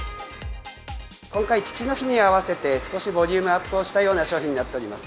今回、父の日に合わせて、少しボリュームアップをしたような商品になっております。